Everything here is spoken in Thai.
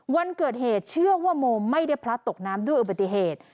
วันเกิดเหตุเชื่อว่าโมไม่ได้พลัดตกน้ำด้วยอุบัติเหตุ